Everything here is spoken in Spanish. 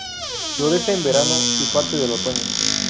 Florece en verano y parte del otoño.